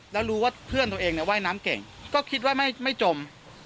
แล้วรู้ว่าเพื่อนตัวเองว่ายน้ำเก่งก็คิดว่าไม่จม